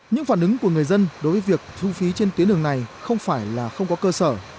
những phản ứng của người dân đối với việc thu phí trên tuyến đường này không phải là không có cơ sở